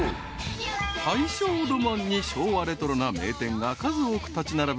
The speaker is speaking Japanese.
［大正ロマンに昭和レトロな名店が数多く立ち並ぶ